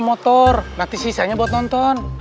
ayo dong jangan mengendalikan ayo sedetik uncle